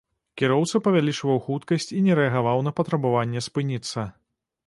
Кіроўца павялічваў хуткасць і не рэагаваў на патрабаванне спыніцца.